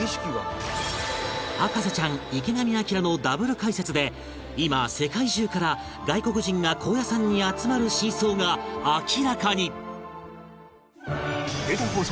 博士ちゃん池上彰のダブル解説で今世界中から外国人が高野山に集まる真相が明らかに